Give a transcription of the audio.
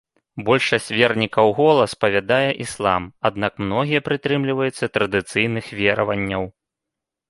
Большасць вернікаў гола спавядае іслам, аднак многія прытрымліваюцца традыцыйных вераванняў.